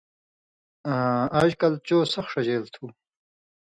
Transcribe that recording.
مہ آژ کل چو سخ ݜژېل تُھو